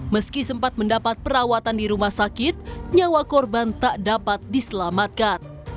meski sempat mendapat perawatan di rumah sakit nyawa korban tak dapat diselamatkan